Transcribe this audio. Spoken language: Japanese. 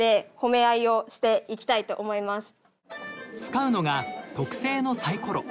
使うのが特製のサイコロ。